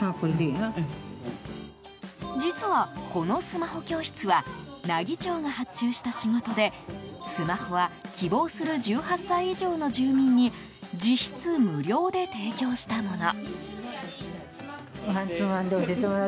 実はこのスマホ教室は奈義町が発注した仕事でスマホは希望する１８歳以上の住民に実質無料で提供したもの。